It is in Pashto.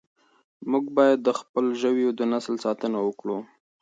موږ باید د خپلو ژویو د نسل ساتنه وکړو.